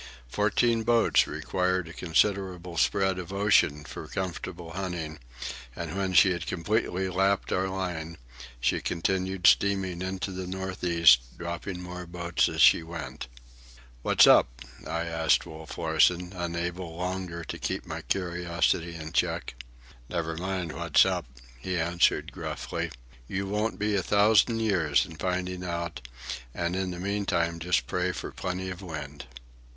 Fourteen boats require a considerable spread of ocean for comfortable hunting, and when she had completely lapped our line she continued steaming into the north east, dropping more boats as she went. "What's up?" I asked Wolf Larsen, unable longer to keep my curiosity in check. "Never mind what's up," he answered gruffly. "You won't be a thousand years in finding out, and in the meantime just pray for plenty of wind."